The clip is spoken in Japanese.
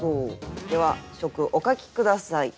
では初句お書き下さい。